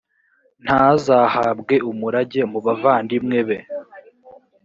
ntazahabwe umurage mu bavandimwe be